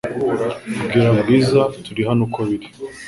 Bwira Bwiza turi hano uko biri